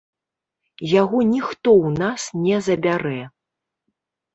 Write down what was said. Яго ніхто ў нас не забярэ.